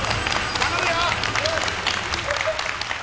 頼むよ。